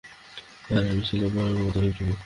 আর আমি ছিলাম মায়ের অনুগত এক যুবক।